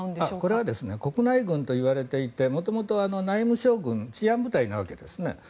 これは国内軍と言われていて元々、内務省軍治安部隊なわけですね。